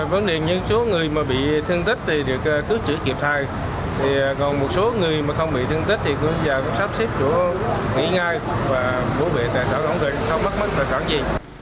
vấn đề những số người bị thương tích thì được cứu chữa kịp thai còn một số người không bị thương tích thì cũng sắp xếp chỗ nghỉ ngay và bố bị tại xã đồng vịnh không mất mất tài sản gì